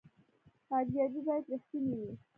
ارزیابي باید رښتینې وي